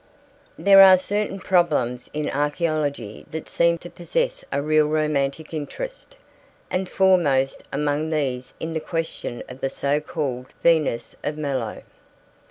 There are certain problems in archaeology that seem to possess a real romantic interest, and foremost among these is the question of the so called Venus of Melos.